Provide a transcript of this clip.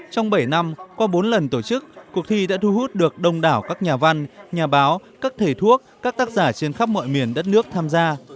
trong bảy năm qua bốn lần tổ chức cuộc thi đã thu hút được đông đảo các nhà văn nhà báo các thầy thuốc các tác giả trên khắp mọi miền đất nước tham gia